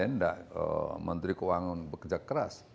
tidak menteri keuangan bekerja keras